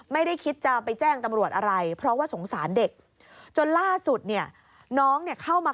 ไม่ได้คิดจะไปแจ้งตำรวจอะไรเพราะว่าสงสารเด็กจนล่าสุดเนี่ยน้องเนี่ยเข้ามา